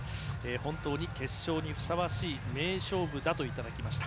本当に決勝にふさわしい名勝負だといただきました。